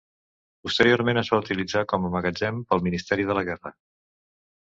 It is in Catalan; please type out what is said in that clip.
Posteriorment es va utilitzar com a magatzem pel Ministeri de la Guerra.